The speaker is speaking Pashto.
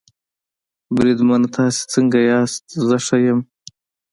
بریدمنه تاسې څنګه یاست؟ زه ښه یم.